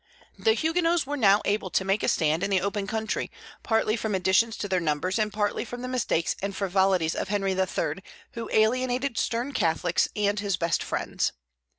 The Huguenots were now able to make a stand in the open country, partly from additions to their numbers and partly from the mistakes and frivolities of Henry III., who alienated stern Catholics and his best friends.